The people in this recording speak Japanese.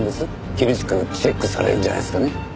厳しくチェックされるんじゃないですかね？